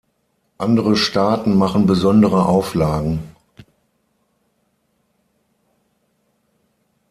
Andere Staaten machen besondere Auflagen.